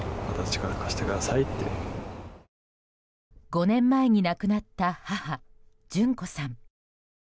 ５年前に亡くなった母・淳子さん。